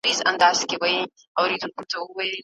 د الله بښنه ډېره پراخه ده.